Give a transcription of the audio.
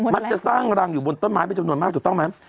มันจะสร้างรังอยู่บนต้นไม้เป็นจำนวนมากถูกต้องไหม